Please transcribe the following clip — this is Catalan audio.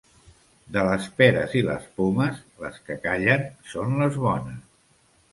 De les peres i les pomes, les que callen són les bones.